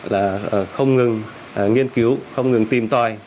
là không ngừng nghiên cứu không ngừng tìm tòi